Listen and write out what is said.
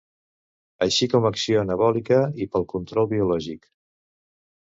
Així com acció anabòlica i pel control biològic.